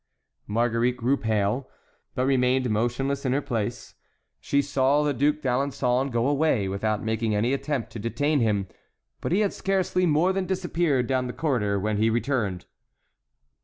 Marguerite grew pale, but remained motionless in her place. She saw the Duc d'Alençon go away, without making any attempt to detain him; but he had scarcely more than disappeared down the corridor when he returned.